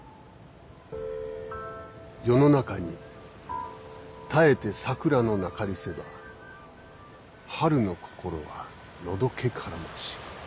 「世の中にたえて桜のなかりせば春の心はのどけからまし」。